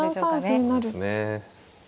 そうですね。